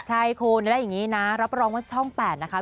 ใช่คุณแล้วอย่างนี้นะรับรองว่าช่อง๘นะคะ